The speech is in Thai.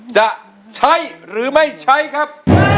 จะใช้หรือไม่ใช้ครับ